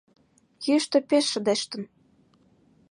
Йӱштӧ пеш шыдештын.